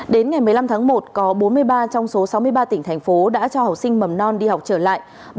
đến ngày một mươi năm tháng một có bốn mươi ba trong số sáu mươi ba tỉnh thành phố đã cho học sinh mầm non đi học trở lại